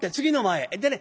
でね